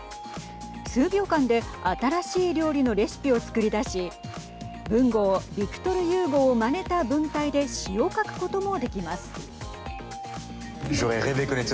数秒間で新しい料理のレシピを作り出し文豪ビクトル・ユーゴーをまねた文体で詩を書くこともできます。